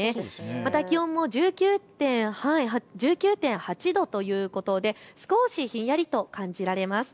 また気温も１９．８度ということで少しひんやりと感じられます。